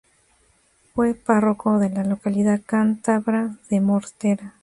Fue párroco de la localidad cántabra de Mortera.